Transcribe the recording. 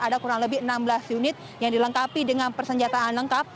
ada kurang lebih enam belas unit yang dilengkapi dengan persenjataan lengkap